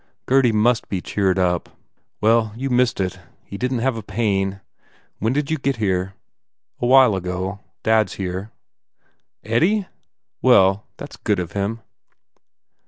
Gurdy must be cheered up. "Well, you 255 THE FAIR REWARDS missed it. He didn t have a pain. When did you get here?" "A while ago. I dad s here." u Eddie? Well, that s good of him."